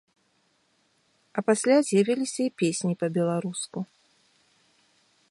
А пасля з'явіліся і песні па-беларуску.